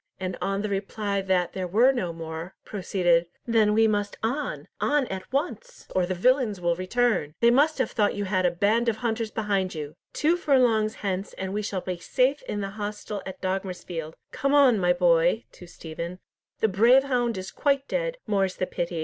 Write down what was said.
and on the reply that there were no more, proceeded, "Then we must on, on at once, or the villains will return! They must have thought you had a band of hunters behind you. Two furlongs hence, and we shall be safe in the hostel at Dogmersfield. Come on, my boy," to Stephen, "the brave hound is quite dead, more's the pity.